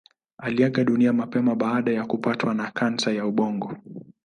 Aliaga dunia mapema baada ya kupatwa na kansa ya ubongo.